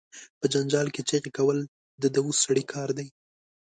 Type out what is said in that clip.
په جنجال کې چغې کول، د دووث سړی کار دي.